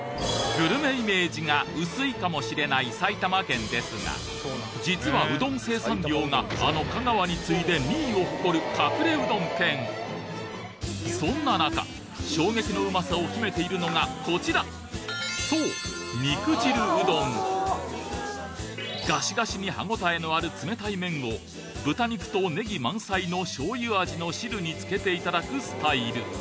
グルメイメージが薄いかもしれない埼玉県ですが実はうどん生産量があの香川に次いで２位を誇る隠れうどん県そんな中衝撃のうまさを秘めているのがこちらそうガシガシに歯応えのある冷たい麺を豚肉とネギ満載のしょうゆ味の汁につけていただくスタイル